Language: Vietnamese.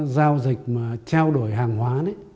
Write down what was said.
giao dịch mà trao đổi hàng hóa